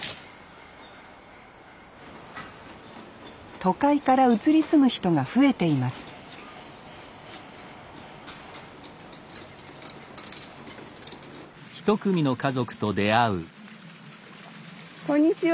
都会から移り住む人が増えていますこんにちは。